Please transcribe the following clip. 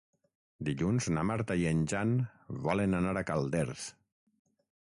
Dilluns na Marta i en Jan volen anar a Calders.